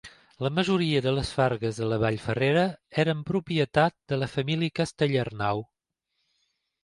La majoria de les fargues de la Vall Ferrera eren propietat de la família Castellarnau.